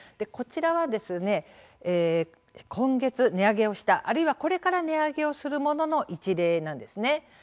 こちらは今月値上げをした、あるいはこれから値上げをするものの一例なんですね。